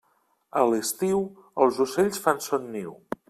A l'estiu, els ocells fan son niu.